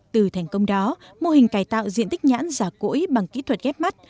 từ thành công đó mô hình cải tạo diện tích nhãn già cỗi bằng kỹ thuật ghép mắt